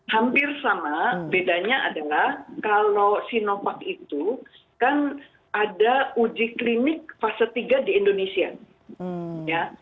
hampir sama bedanya adalah kalau sinovac itu kan ada uji klinik fase tiga di indonesia